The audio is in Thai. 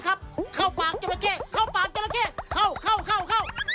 เข้าปากก็น่าแฮะเข้าเข้า